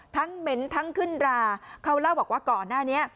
เหม็นทั้งขึ้นราเขาเล่าบอกว่าก่อนหน้านี้